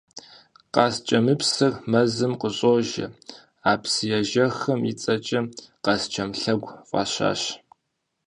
Къаскӏэмыпсыр мэзым къыщожьэ, а псыежэхым и цӏэкӏэ «Къаскӏэм лъэгу» фӏащащ.